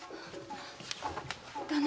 旦那